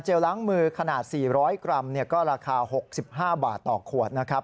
ล้างมือขนาด๔๐๐กรัมก็ราคา๖๕บาทต่อขวดนะครับ